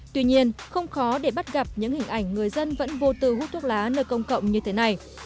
tuy nhiên không khó để bắt gặp những hình ảnh người dân vẫn vô tư hút thuốc lá nơi công cộng như thế này